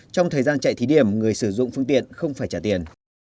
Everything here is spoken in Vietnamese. trong thời gian chạy thí điểm người sử dụng phương tiện không phải trả tiền